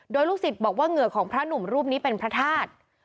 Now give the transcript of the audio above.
โดยลูกศิษย์บอกว่าเหงื่อของพระหนุ่มรูปนี้เป็นพระธาตุ